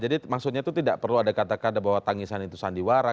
jadi maksudnya itu tidak perlu ada kata kata bahwa tangisan itu sandiwara